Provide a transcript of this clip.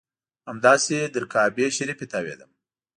همداسې تر کعبې شریفې تاوېدم.